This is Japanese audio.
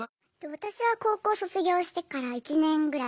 私は高校卒業してから１年ぐらい。